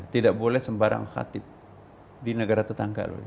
tidak boleh sembarang khatib di negara tetangga